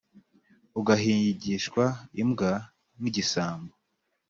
ugahigishwa imbwa nk’igisambo